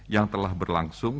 yang telah berlangsung